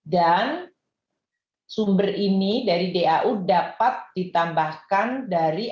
dan sumber ini dari dau dapat ditambahkan dari